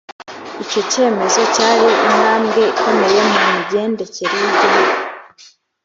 icyo kemezo cyari intambwe ikomeye mu migendekere y igihugu